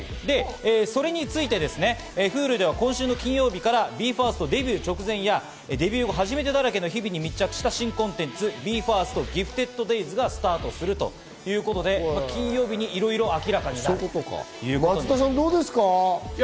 それについてＨｕｌｕでは今週金曜日から、ＢＥ：ＦＩＲＳＴデビュー直前や、デビュー後、初めてだらけの日々に密着した新コンテンツ、『ＢＥ：ＦＩＲＳＴＧｉｆｔｅｄＤａｙｓ』がスタートするということで、金曜日にいろいろ明らかになります。